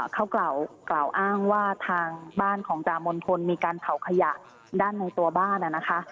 เขากล่าวอ้างว่าทางบ้านของจามณฑลมีการเผาขยะด้านในตัวบ้านนะคะ